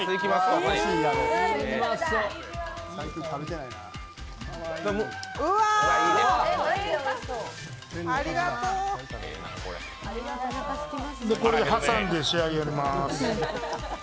これで挟んで仕上げやります。